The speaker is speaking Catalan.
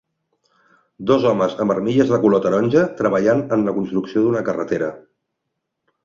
Dos homes amb armilles de color taronja treballant en la construcció d'una carretera.